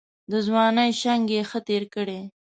د ځوانۍ شنګ یې ښه تېر کړی.